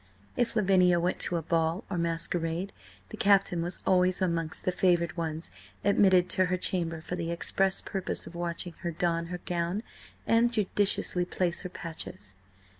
If Lavinia went to a ball or masquerade, the Captain was always amongst the favoured ones admitted to her chamber for the express purpose of watching her don her gown and judiciously place her patches.